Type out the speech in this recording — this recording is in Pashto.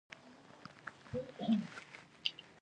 افغانستان له بېلابېلو ډولونو کوچیانو څخه ډک دی.